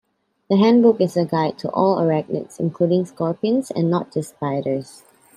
The handbook is a guide to all arachnids including scorpions, and not just spiders.